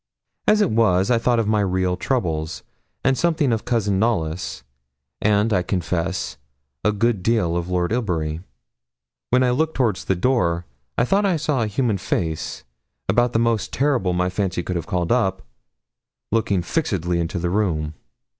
As it was, I thought of my real troubles, and something of Cousin Knollys, and, I confess, a good deal of Lord Ilbury. When looking towards the door, I thought I saw a human face, about the most terrible my fancy could have called up, looking fixedly into the room.